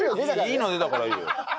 いいの出たからいいよ。